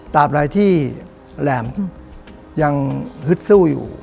ตามรายที่แหลมยังฮึดสู้อยู่